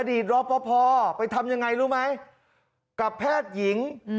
อดีตรอพอพอไปทำยังไงรู้ไหมกับแพทย์หญิงอืม